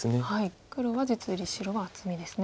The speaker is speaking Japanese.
黒は実利白は厚みですね。